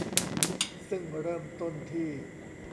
ซึ่งเริ่มต้นที่